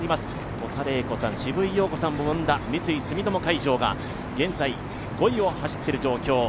土佐礼子さん、渋井陽子さんを生んだ三井住友海上が現在５位を走っている状況。